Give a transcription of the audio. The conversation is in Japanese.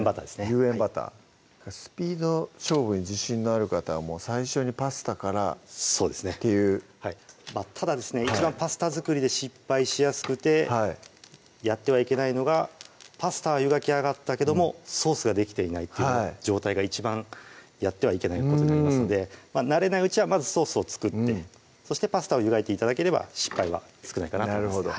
有塩バタースピード勝負に自信のある方はもう最初にパスタからそうですねっていうただですね一番パスタ作りで失敗しやすくてやってはいけないのがパスタは湯がきあがったけどもソースができていないっていう状態が一番やってはいけないことになりますので慣れないうちはまずソースを作ってそしてパスタを湯がいて頂ければ失敗は少ないかなと思います